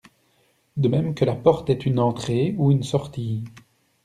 De même que la porte est une entrée, ou une sortie.